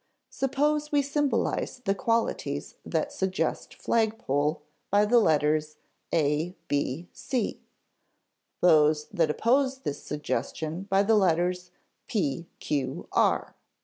Suppose we symbolize the qualities that suggest flagpole by the letters a, b, c; those that oppose this suggestion by the letters p, q, r.